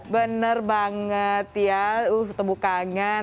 bener banget ya temukan kan